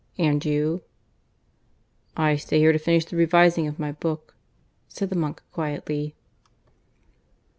And you?" "I stay here to finish the revising of my book," said the monk quietly.